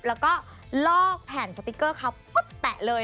แล้วก็ลอกแผนสติกเกอร์เขาแปะเลย